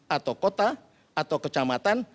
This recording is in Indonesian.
atau kota atau kecamatan